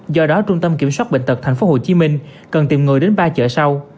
do đó trung tâm kiểm soát bệnh tật tp hcm cần tìm người đến ba chợ sau